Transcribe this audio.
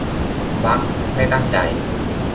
- บั๊ก ไม่ตั้งใจ